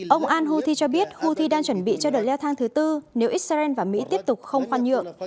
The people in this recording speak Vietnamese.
ông al houthi cho biết houthi đang chuẩn bị cho đợt leo thang thứ tư nếu israel và mỹ tiếp tục không khoan nhượng